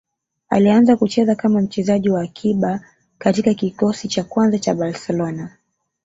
Alianza kucheza kama mchezaji wa akiba katika kikosi cha kwanza cha Barcelona